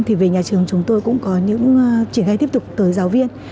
thì về nhà trường chúng tôi cũng có những triển khai tiếp tục tới giáo viên